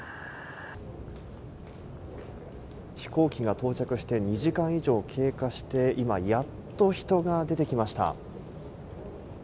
飛行機が到着して２時間以上経過して、今、やっと人が出てきました。